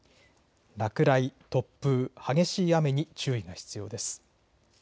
落雷、突風、激しい雨に注意が必要です。